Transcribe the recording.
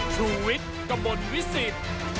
ชุวิตกระบวนวิสิต